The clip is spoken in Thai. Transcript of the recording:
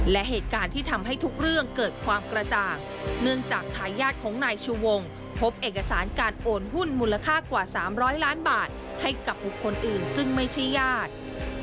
และเหตุการณ์ที่ทำให้ทุกเรื่องเกิดความกระจ่างเนื่องจากทายาทของนายชูวงพบเอกสารการโอนหุ้นมูลค่ากว่า๓๐๐ล้านบาทให้กับบุคคลอื่นซึ่งไม่ใช่ญาติ